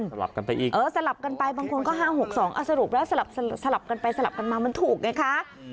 สลับกันไปอีกเออสลับกันไปบางคนก็๕๖๒สรุปแล้วสลับสลับกันไปสลับกันมามันถูกไงคะ